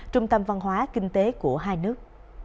trung tâm văn hóa kinh tế của hai nước